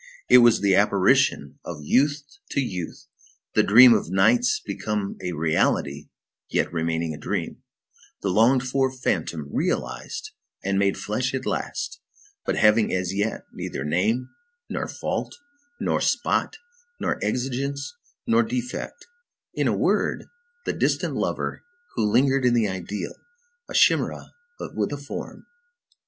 It was the apparition of youth to youth, the dream of nights become a reality yet remaining a dream, the longed for phantom realized and made flesh at last, but having as yet, neither name, nor fault, nor spot, nor exigence, nor defect; in a word, the distant lover who lingered in the ideal, a chimæra with a form.